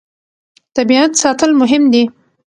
طبیعت ساتل مهم دي.